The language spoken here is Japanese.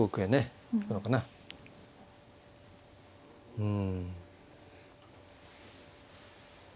うん。